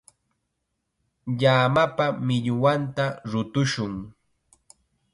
Llamapa millwanta rutushun.